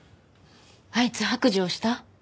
あいつ白状した？